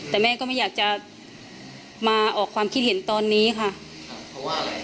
แต่แม่ก็ไม่อยากจะมาออกความคิดเห็นตอนนี้ค่ะครับเพราะว่าอะไร